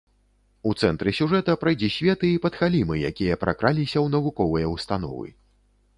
У цэнтры сюжэта прайдзісветы і падхалімы, якія пракраліся ў навуковыя ўстановы.